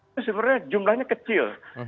itu sebenarnya jumlahnya kecil